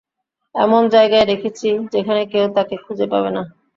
এমন জায়গায় রেখেছি যেখানে কেউ তাকে খুঁজে পাবে না।